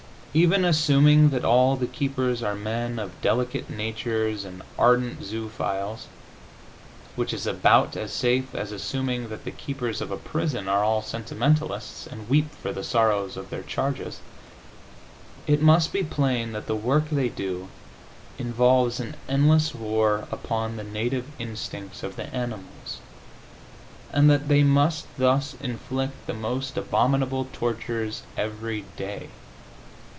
Even assuming that all the keepers are men of delicate natures and ardent zoophiles (which is about as safe as assuming that the keepers of a prison are all sentimentalists, and weep for the sorrows of their charges), it must be plain that the work they do involves an endless war upon the native instincts of the animals, and that they must thus inflict the most abominable tortures every day.